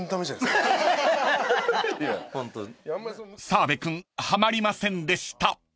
［澤部君はまりませんでした］